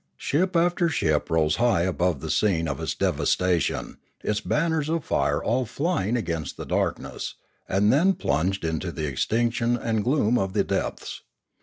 Ship after ship rose high above the scene of its devastation, its banners of fire all flying against the darkness, and then plunged into the ex tinction and gloom of the depths.